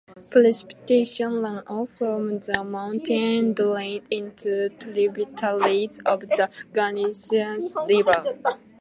Precipitation runoff from the mountain drains into tributaries of the Gunnison River.